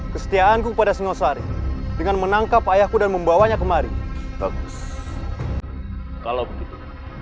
kesetiaanku kepada singosari dengan menangkap ayahku dan membawanya kemari bagus kalau begitu